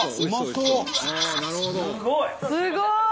すごい！